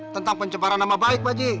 tentang pencembaran nama baik pak haji